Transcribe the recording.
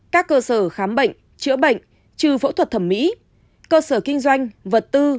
các cơ sở khám bệnh chữa bệnh trừ phẫu thuật thẩm mỹ cơ sở kinh doanh vật tư